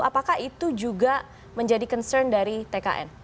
apakah itu juga menjadi concern dari tkn